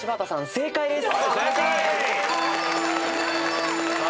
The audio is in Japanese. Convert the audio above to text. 正解です。